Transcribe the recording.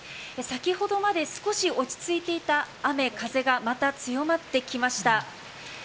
先ほどまで少し落ち着いていた雨風がまた強まってきました。